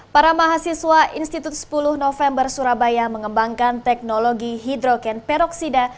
para mahasiswa institut sepuluh november surabaya mengembangkan teknologi hidrogen peroksida